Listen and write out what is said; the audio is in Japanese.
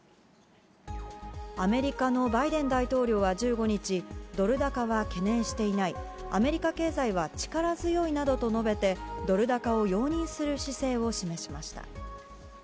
アメリカのバイデン大統領は１５日、ドル高は懸念していない、アメリカ経済は力強いなどと述べて、ドル高を容認する姿勢を示しました。